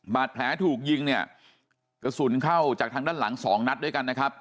บาดแผลถูกยิงเนี่ยกระสุนเข้าจากทางด้านหลังสองนัดด้วยกันนะครับ